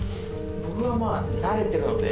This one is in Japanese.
僕はまあ慣れてるので。